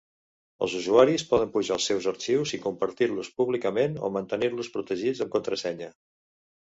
Els usuaris poden pujar els seus arxius i compartir-los públicament o mantenir-los protegits amb contrasenya.